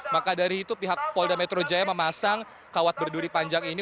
maka dari itu pihak polda metro jaya memasang kawat berduri panjang ini